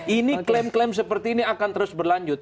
ini klaim klaim seperti ini akan terus berlanjut